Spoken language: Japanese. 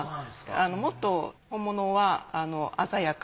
もっと本物は鮮やか。